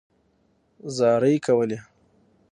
زارۍ کولې.